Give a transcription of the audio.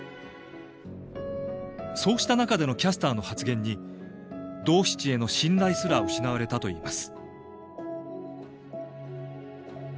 そうした中でのキャスターの発言にドーシチへの信頼すら失われたといいます。